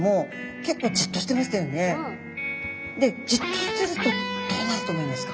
でじっとしてるとどうなると思いますか？